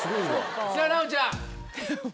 さぁ奈央ちゃん。